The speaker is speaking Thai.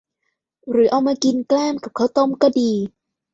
หรือเอามากินแกล้มกับข้าวต้มก็ดี